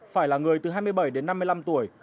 phải là người từ hai mươi bảy đến năm mươi năm tuổi